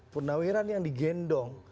purnaweran yang digendong